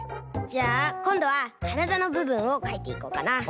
じゃあこんどはからだのぶぶんをかいていこうかな。